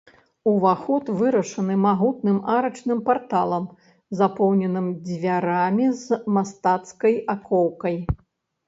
Уваход вырашаны магутным арачным парталам, запоўненым дзвярамі з мастацкай акоўкай.